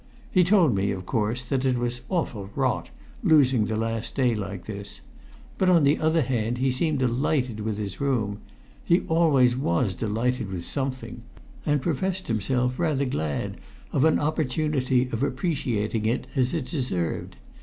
He told me, of course, that it was "awful rot" losing the last day like this; but, on the other hand, he seemed delighted with his room he always was delighted with something and professed himself rather glad of an opportunity of appreciating it as it deserved.